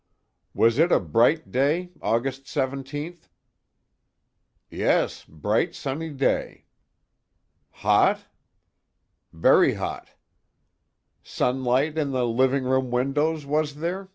"Was it a bright day, August 17th?" "Yes, bright sunny day." "Hot?" "Very hot." "Sunlight in the living room windows, was there?